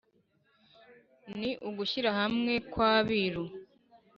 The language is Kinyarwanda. Ni ugushyira hamwe kw’Abiru.